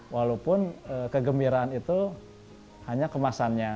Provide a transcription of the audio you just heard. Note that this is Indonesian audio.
walaupun kegembiraan itu hanya kemasannya